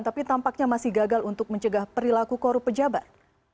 tapi tampaknya masih gagal untuk mencegah perilaku korup pejabat